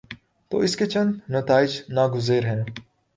تو اس کے چند نتائج ناگزیر ہیں۔